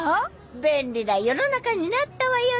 便利な世の中になったわよね。